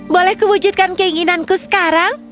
boleh kubujutkan keinginanku sekarang